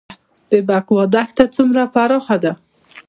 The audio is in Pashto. د بکوا دښته څومره پراخه ده؟